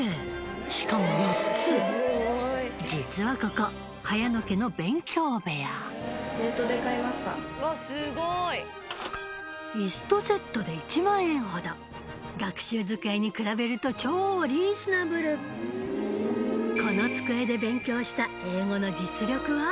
実はここ早野家の椅子とセットで１万円ほど学習机に比べると超リーズナブルこの机で勉強した英語の実力は？